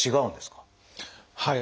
はい。